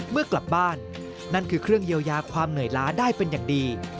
เมื่อกลับบ้านนั่นคือเครื่องเยียวยาความเหนื่อยล้าได้เป็นอย่างดี